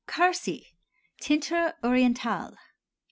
KARSI (TEINTURE ORIENTALE).